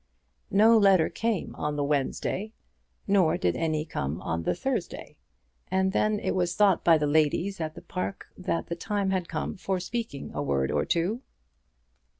No letter came on the Wednesday, nor did any come on the Thursday, and then it was thought by the ladies at the Park that the time had come for speaking a word or two.